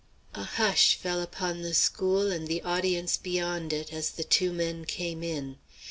A hush fell upon the school and the audience beyond it as the two men came in.